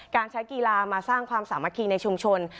การใช้กีฬามาสร้างความสามัคคีในชุมชน